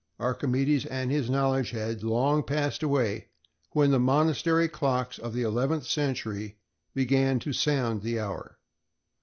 Archimedes and his knowledge had long passed away when the monastery clocks of the eleventh century began to sound the hour.